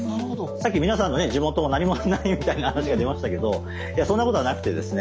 さっき皆さんのね地元も何もないみたいな話が出ましたけどいやそんなことはなくてですね。